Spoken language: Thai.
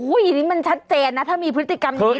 อุ้ยนี่มันชัดเจนนะถ้ามีพฤติกรรมนี้จริงนะ